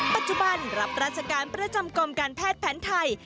ปัจจุบันรับราชการประจำกรมการแพทย์แผนไทย